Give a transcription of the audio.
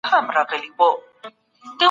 کمپيوټر فولډر پيدا کوي.